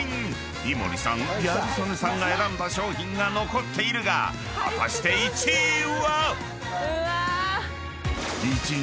［井森さんギャル曽根さんが選んだ商品が残っているが果たして１位は⁉］